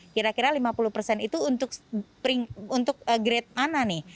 kira kira lima puluh persen itu untuk grade mana nih